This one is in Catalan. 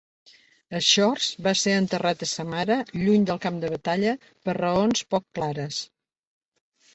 Shchors va ser enterrat a Samara, lluny del camp de batalla, per raons poc clares.